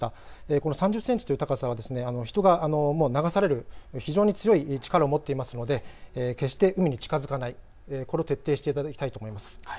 この３０センチという高さは人が流される非常に強い力を持っていますので決して海に近づかない、これを徹底していただきたいと思います。